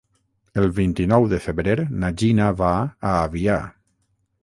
El vint-i-nou de febrer na Gina va a Avià.